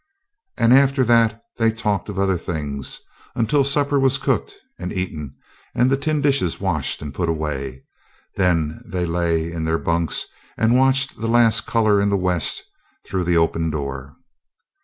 And after that they talked of other things, until supper was cooked and eaten and the tin dishes washed and put away. Then they lay in their bunks and watched the last color in the west through the open door.